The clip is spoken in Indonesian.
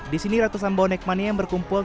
di sini ratusan bonek mania yang berkumpul